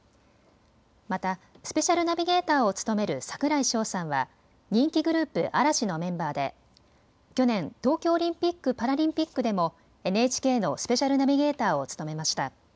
またスペシャルナビゲーターを務める櫻井翔さんは人気グループ、嵐のメンバーで去年、東京オリンピック・パラリンピックでもＮＨＫのスペシャルナビゲーターを務めました。